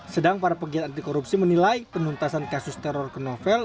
sedang para pegiat anti korupsi menilai penuntasan kasus teror ke novel